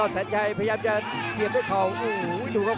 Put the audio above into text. กระโดยสิ้งเล็กนี่ออกกันขาสันเหมือนกันครับ